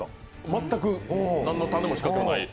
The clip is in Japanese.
全く何のタネも仕掛けもない。